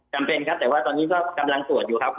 จำเป็นครับแต่ว่าตอนนี้ก็กำลังตรวจอยู่ครับ